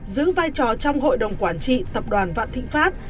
giữ vai trò trong hội đồng quản trị tập đoàn vạn thịnh pháp